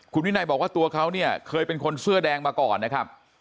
คุณวินัยบอกว่าตัวเขาเนี่ยเคยเป็นคนเสื้อแดงมาก่อนนะครับ